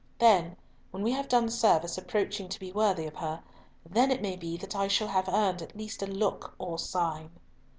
Then, when we have done service approaching to be worthy of her, then it may be that I shall have earned at least a look or sign."